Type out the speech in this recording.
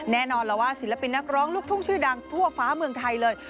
แน่นอนแล้วว่าศิลปินนักร้องลูกทุ่งชื่อดังทั่วฟ้าเมืองไทยเลย